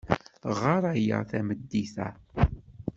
Ɣer aya tameddit-a.